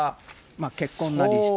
結婚なりして。